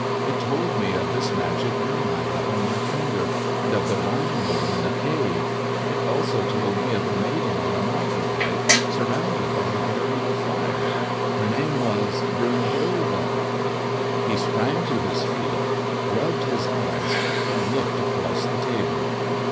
It told me of this magic Ring I have on my finger and of the Rhine Gold in a cave. It also told me of a maiden on a mountain height surrounded by a barrier of fire. Her name was—Brunhilde!" He sprang to his feet, rubbed his eyes, and looked across the table.